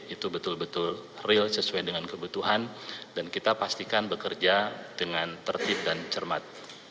itu betul betul real sesuai dengan kebutuhan dan kita pastikan bekerja dengan tertib dan cermat